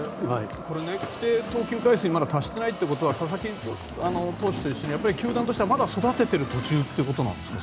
規定投球回数にまだ達してないということは佐々木投手と一緒で球団としてはまだ育ててる途中ということですかね。